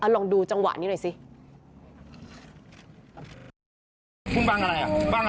ลองดูจังหวะนี้หน่อยสิ